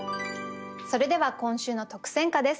それでは今週の特選歌です。